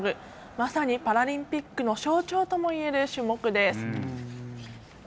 まさにパラリンピックの象徴ともいえる種目です。